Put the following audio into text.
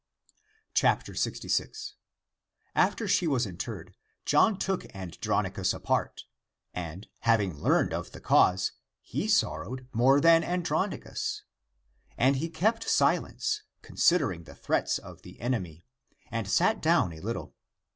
66. After she was interred, John took Androni cus apart, and, having learned of the cause, he sor rowed more than Andronicus. And he kept silence, considering the threats of the enemy, and sat down a little.